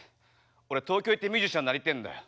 俺東京行ってミュージシャンなりてえんだよ。